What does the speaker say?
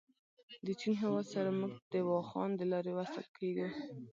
د چین هېواد سره موږ د واخان دلاري وصل کېږو.